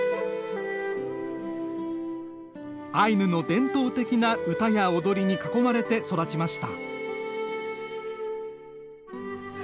アイヌの伝統的な歌や踊りに囲まれて育ちました。